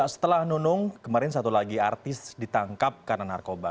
setelah nunung kemarin satu lagi artis ditangkap karena narkoba